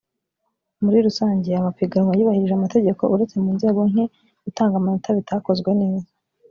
muri rusange amapiganwa yubahirije amategeko uretse mu nzego nke gutanga amanota bitakozwe neza